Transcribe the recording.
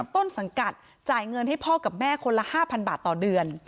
ต้นสังกัดจ่ายเงินให้พ่อกับแม่คนละ๕๐๐บาทต่อเดือน